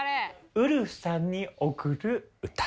『うるふさんに贈る歌』。